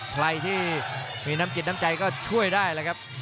ใครที่มีน้ำจิตน้ำใจก็ช่วยได้เลยครับ